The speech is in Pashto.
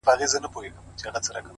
• دا له کومه کوه قافه را روان یې ,